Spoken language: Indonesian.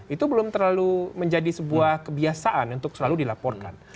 itu belum terlalu menjadi sebuah kebiasaan untuk selalu dilaporkan